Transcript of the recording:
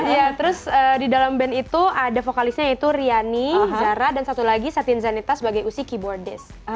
ya terus di dalam band itu ada vokalisnya yaitu riani zara dan satu lagi satin zanita sebagai usik keyboardist